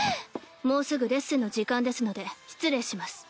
もうすぐレッスンの時間ですので失礼します。